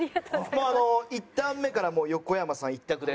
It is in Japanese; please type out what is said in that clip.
もうあの１ターン目から横山さん一択で。